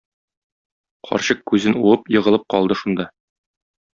Карчык күзен уып, егылып калды шунда.